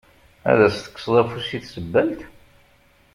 Ad as-tekkseḍ afus i tsebbalt?